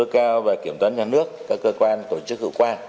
tòa án nhân dân tối cao và kiểm soát nhân dân tối cao các cơ quan tổ chức hữu quan